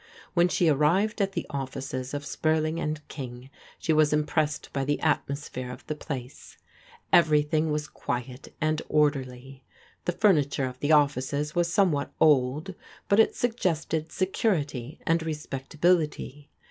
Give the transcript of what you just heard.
When she arrived at the offices of Spurling and King she was impressed by the atmosphere of the place. Ever3rthing was quiet and orderly. The furniture of the offices was somewhat old, but it suggested security and respectability.